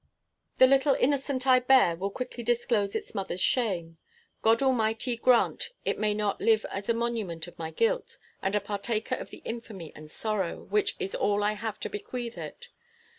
"The little innocent I bear will quickly disclose its mother's shame. God Almighty grant it may not live as a monument of my guilt, and a partaker of the infamy and sorrow, which is all I have to bequeath it.